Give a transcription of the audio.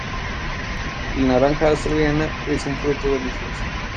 La naranja australiana es un fruto delicioso.